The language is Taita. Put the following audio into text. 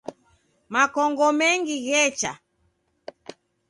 Makongo mengi ghecha.